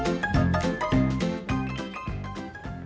dan zn indonesia